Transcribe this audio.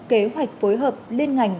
kế hoạch phối hợp liên ngành